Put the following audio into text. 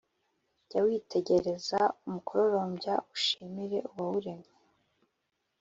Jya witegereza umukororombya ushimire Uwawuremye,